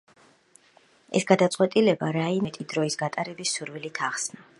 ეს გადაწყვეტილება რაიანმა ოჯახთან და შვილებთან მეტი დროის გატარების სურვილით ახსნა.